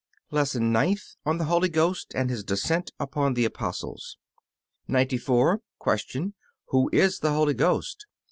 LESSON NINTH ON THE HOLY GHOST AND HIS DESCENT UPON THE APOSTLES 94. Q. Who is the Holy Ghost?